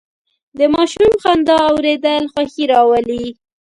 د ماشوم خندا اورېدل خوښي راولي.